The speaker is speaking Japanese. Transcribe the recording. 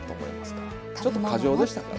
ちょっと過剰でしたから。